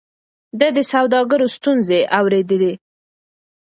ده د سوداګرو ستونزې اورېدې.